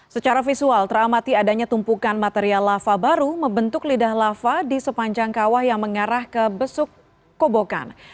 secara visual teramati adanya tumpukan material lava baru membentuk lidah lava di sepanjang kawah yang mengarah ke besuk kobokan